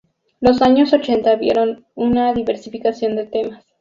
Los años ochenta vieron una diversificación de temas.